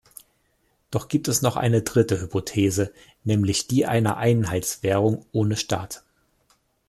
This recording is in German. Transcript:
Doch gibt es noch eine dritte Hypothese, nämlich die einer Einheitswährung ohne Staat.